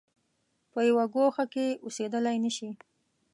په یوه ګوښه کې اوسېدلای نه شي.